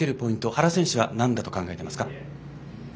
原選手はなんだと考えていますか？